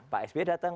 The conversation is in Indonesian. pak sby datang